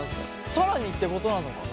更にってことなのかな。